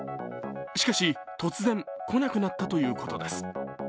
しかし突然、来なくなったということです。